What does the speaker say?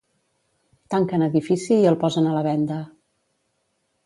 Tanquen edifici i el posen a la venda